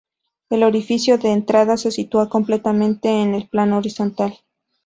El orificio de entrada se sitúa completamente en el plano horizontal.